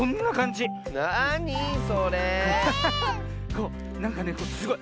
こうなんかねすごい